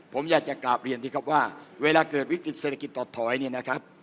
ผมอยากจะกราบเรียนสิครับว่าเวลาเกิดวิกฤติเศรษฐกิจถอดถอยเนี่ยนะครับ